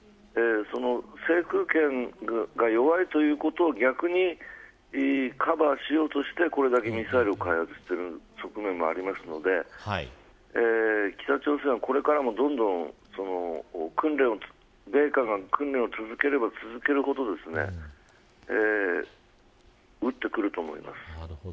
制空権が弱いということを逆にカバーしようとしてこれだけミサイルを開発している側面があるので北朝鮮はこれからも米韓が訓練を続ければ続けるほどミサイルを撃ってくると思います。